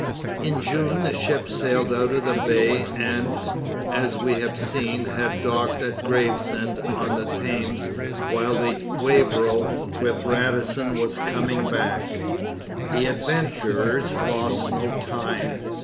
In June the ship sailed out of the Bay and, as we have seen, had docked at Gravesend on the Thames while the Wavero with Radisson was coming back. The adventurers lost no time.